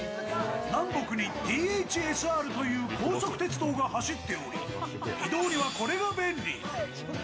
南北にＴＨＳＲという高速鉄道が走っており、移動にはこれが便利。